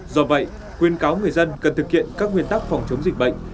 do vậy khuyên cáo người dân cần thực hiện các nguyên tắc phòng chống dịch bệnh